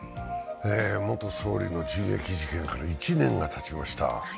元総理の銃撃事件から１年がたちました。